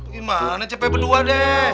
gimana capek berdua deh